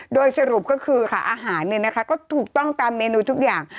โดยสรุปก็คือค่ะอาหารก็ถูกต้องตามเมนูทุกอย่าง